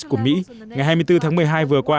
của mỹ ngày hai mươi bốn tháng một mươi hai vừa qua